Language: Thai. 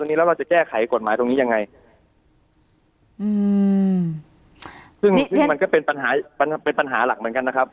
ซึ่งซึ่งมันก็เป็นปัญหาเป็นปัญหาหลักเหมือนกันนะครับ